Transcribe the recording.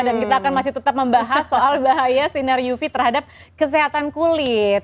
dan kita akan masih tetap membahas soal bahaya sinar uv terhadap kesehatan kulit